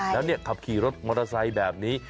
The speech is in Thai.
แล้วขับขี่รถมอเตอร์ไซค์แบบนี้